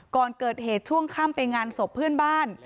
ก่อนเกิดเหตุช่วงค่ำไปงานศพเพื่อนบ้าน